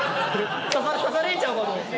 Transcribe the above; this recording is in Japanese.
刺されんちゃうかと思った。